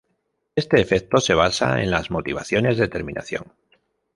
Este efecto se basa en las motivaciones de terminación.